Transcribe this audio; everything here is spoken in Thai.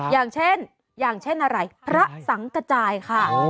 อย่างเช่นอย่างเช่นอะไรพระสังกระจายค่ะ